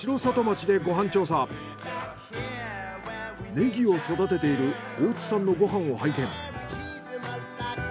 ネギを育てている大津さんのご飯を拝見。